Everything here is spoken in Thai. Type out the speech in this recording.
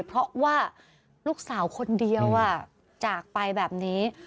เพราะว่าลูกสาวคนเดียวจากไปแบบนี้